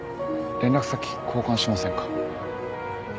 連絡先交換しませんか？